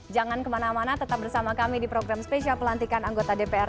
jangan kemana mana tetap bersama kami di program spesial pelantikan anggota dpr